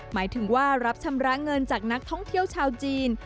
หมายถึงว่ารับชำระเงินจากนักท่องเที่ยวชาวจีน